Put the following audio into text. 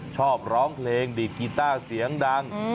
ชอบร้องเพลงดีดกีต้าเสียงดัง